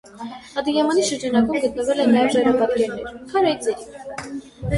Ադըյամանի շրջակայքում գտնվել են նաև ժայռապատկերներ (քարայծերի)։